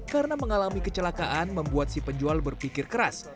karena mengalami kecelakaan membuat si penjual berpikir keras